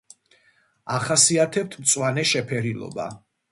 ახასიათებთ მწვანე შეფერილობა.